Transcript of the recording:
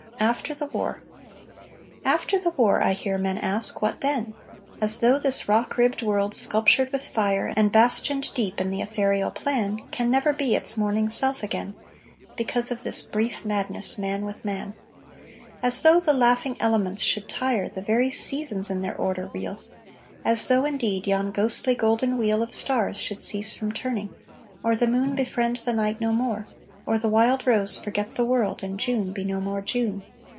AFTER THE WAR After the war I hear men ask what then? As though this rock ribbed world, sculptured with fire, And bastioned deep in the ethereal plan, Can never be its morning self again Because of this brief madness, man with man; As though the laughing elements should tire, The very seasons in their order reel; As though indeed yon ghostly golden wheel Of stars should cease from turning, or the moon Befriend the night no more, or the wild rose Forget the world, and June be no more June.